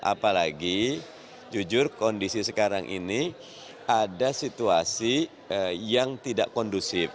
apalagi jujur kondisi sekarang ini ada situasi yang tidak kondusif